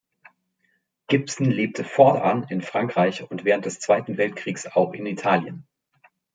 Gibson lebte fortan in Frankreich und während des Zweiten Weltkriegs auch in Italien.